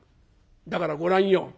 だからご覧よ